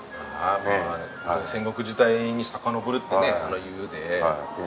戦国時代にさかのぼるってね言うで。